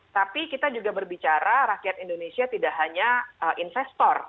tapi kita juga berbicara rakyat indonesia tidak hanya investor